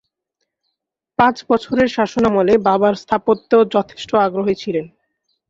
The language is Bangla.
পাঁচ বছরের শাসনামলে বাবর স্থাপত্যে যথেষ্ট আগ্রহী ছিলেন।